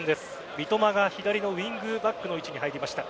三笘が左のウイングバックの位置に入りました。